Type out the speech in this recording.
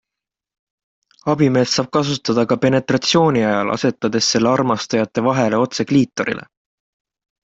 Abimeest saab kasutada ka penetratsiooni ajal asetades selle armastajate vahele otse kliitorile.